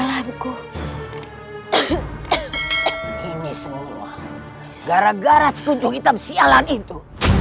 lalu gimana perasaanmu